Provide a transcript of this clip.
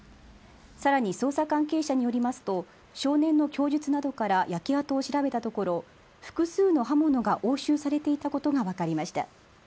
さらに捜査関係者によりますと少年の供述などから焼け跡を調べたところ複数の刃物が押収されていたことが分かりました